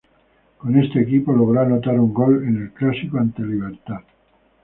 Con este equipo logró anotar un gol en el clásico ante Libertad.